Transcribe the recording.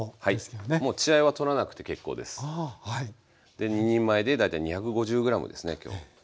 で２人前で大体２５０ｇですね今日。